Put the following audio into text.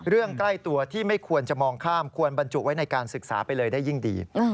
ใกล้ตัวที่ไม่ควรจะมองข้ามควรบรรจุไว้ในการศึกษาไปเลยได้ยิ่งดี